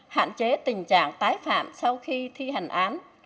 hạn chế tình trạng tái phạm sau khi thi hành án